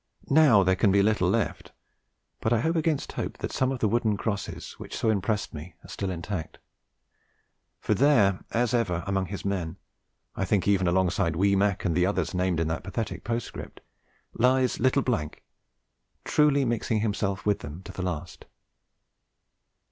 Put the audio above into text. Now there can be little left; but I hope against hope that some of the wooden crosses which so impressed me are still intact. For there as ever among his men, I think even alongside 'wee Mac' and the others named in that pathetic postscript, lies 'little ', truly 'mixing himself with them' to the last.